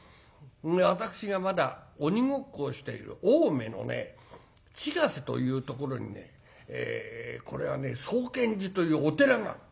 私がまだ鬼ごっこをしている青梅のね千ヶ瀬というところにねこれはね宗建寺というお寺がある。